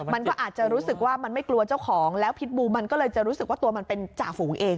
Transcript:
มันก็อาจจะรู้สึกว่ามันไม่กลัวเจ้าของแล้วพิษบูมันก็เลยจะรู้สึกว่าตัวมันเป็นจ่าฝูงเอง